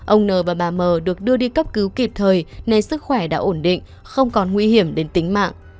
ông n và bà mờ được đưa đi cấp cứu kịp thời nên sức khỏe đã ổn định không còn nguy hiểm đến tính mạng